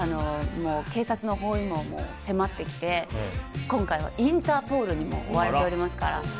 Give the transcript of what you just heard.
警察の包囲網も迫ってきて今回はインターポールにも追われておりますから。